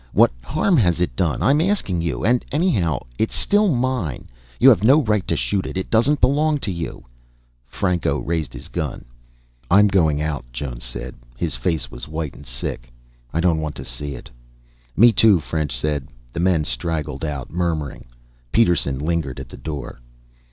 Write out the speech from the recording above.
What harm has it done? I'm asking you. And anyhow, it's still mine. You have no right to shoot it. It doesn't belong to you." Franco raised his gun. "I'm going out," Jones said, his face white and sick. "I don't want to see it." "Me, too," French said. The men straggled out, murmuring. Peterson lingered at the door.